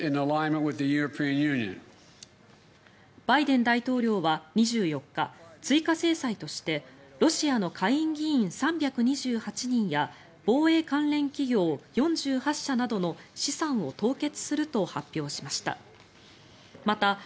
バイデン大統領は２４日追加制裁としてロシアの下院議員３２８人や防衛関連企業４８社などの資産を凍結すると発表しました。